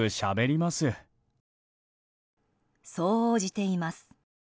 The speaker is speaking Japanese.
そう応じています。